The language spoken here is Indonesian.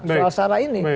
soal salah ini